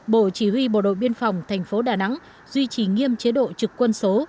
bộ chỉ huy bộ đội biên phòng tp đà nẵng duy trì nghiêm chế độ trực quân số